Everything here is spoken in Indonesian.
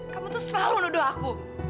kamu tuh selalu nuduh aku